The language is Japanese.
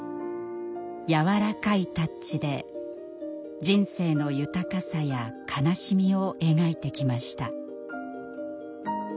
やわらかいタッチで人生の豊かさや悲しみを描いてきました。